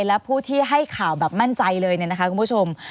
และผู้ที่ให้ข่าวแบบมั่นใจเลยเนี่ยนะคะคุณผู้ชม